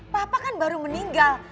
papa kan baru meninggal